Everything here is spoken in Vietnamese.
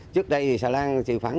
trước đây thì xà lan thì khoảng